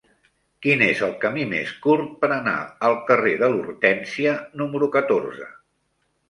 Quin és el camí més curt per anar al carrer de l'Hortènsia número catorze?